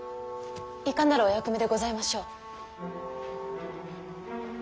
いかなるお役目でございましょう？